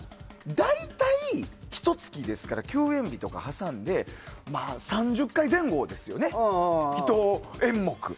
大体ひと月ですから休演日とか挟んで３０回前後ですよね、１演目。